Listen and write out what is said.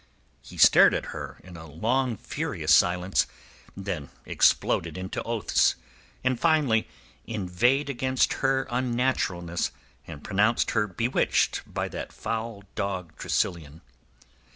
He stared at her in a long, furious silence, then exploded into oaths, and finally inveighed against her unnaturalness and pronounced her bewitched by that foul dog Tressilian.